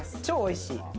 超おいしい。